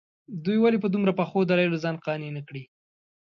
دوی ولې په دومره پخو دلایلو ځان قانع نه کړي.